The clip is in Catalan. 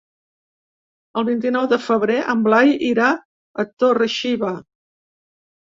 El vint-i-nou de febrer en Blai irà a Torre-xiva.